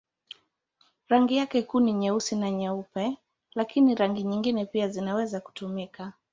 Rangi yake kuu ni nyeusi na nyeupe, lakini rangi nyingine pia zinaweza kutumika.